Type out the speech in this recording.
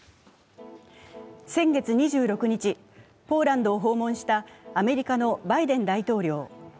先月２６日、ポーランドを訪問したアメリカのバイデン大統領。